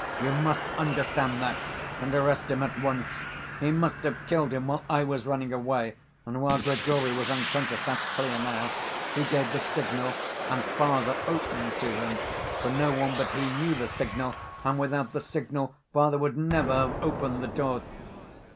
"You must understand that, and arrest him at once.... He must have killed him while I was running away and while Grigory was unconscious, that's clear now.... He gave the signal and father opened to him ... for no one but he knew the signal, and without the signal father would never have opened the door...."